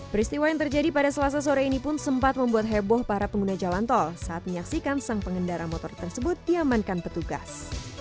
peristiwa yang terjadi pada selasa sore ini pun sempat membuat heboh para pengguna jalan tol saat menyaksikan sang pengendara motor tersebut diamankan petugas